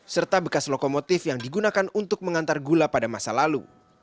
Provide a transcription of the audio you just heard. serta bekas lokomotif yang digunakan untuk mengantar gula pada masa lalu